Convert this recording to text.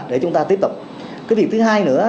để chúng ta tiếp tục cái việc thứ hai nữa